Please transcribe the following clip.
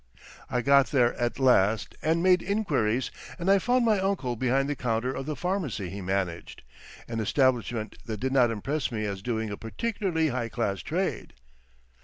I got there at last and made inquiries, and I found my uncle behind the counter of the pharmacy he managed, an establishment that did not impress me as doing a particularly high class trade.